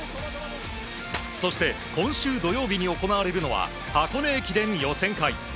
そして今週土曜日に行われるのは箱根駅伝予選会。